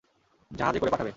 জাহাজে করে পাঠাবে।